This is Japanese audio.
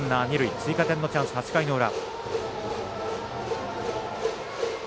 追加点のチャンス、８回の裏。